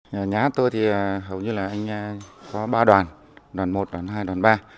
nhà hát tôi thì hầu như là anh có ba đoàn một đoàn hai đoàn ba